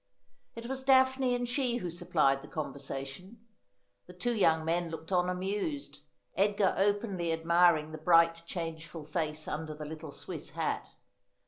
It was Daphne and she who supplied the conversation. The two young men looked on amused ; Edgar openly admiring the bright changeful face under the little Swiss hat.